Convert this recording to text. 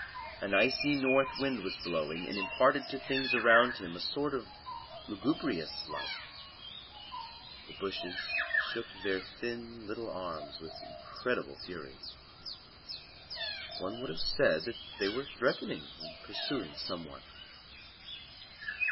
An icy north wind was blowing, and imparted to things around him a sort of lugubrious life. The bushes shook their thin little arms with incredible fury. One would have said that they were threatening and pursuing some one.